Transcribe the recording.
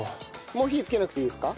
もう火つけなくていいですか？